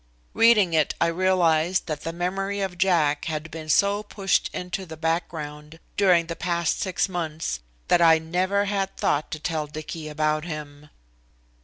Reading it I realized that the memory of Jack had been so pushed into the background during the past six months that I never had thought to tell Dicky about him.